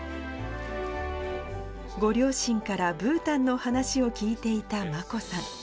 ご両親からブータンの話を聞いていた眞子さん。